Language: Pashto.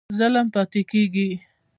ظلم پاتی کیږي؟